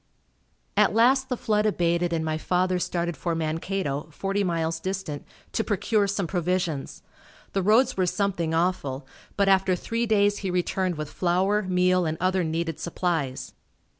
At last the flood abated and my father started for Mankato, forty miles distant, to procure some provisions. The roads were something awful, but after three days he returned with flour, meal and other needed supplies.